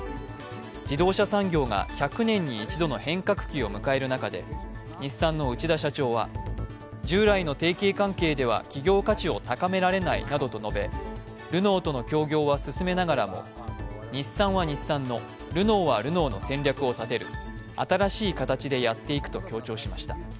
自動車産業が１００年に一度の変革期を迎える中で日産の内田社長は従来の提携関係では企業価値を高められないなどと述べルノーとの協業は進めながらも日産は日産の、ルノーはルノーの戦略を立てる新しい形でやっていくと強調しました。